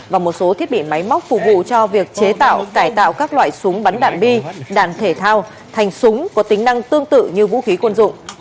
và một số thiết bị máy móc phục vụ cho việc chế tạo cải tạo các loại súng bắn đạn bi đạn thể thao thành súng có tính năng tương tự như vũ khí quân dụng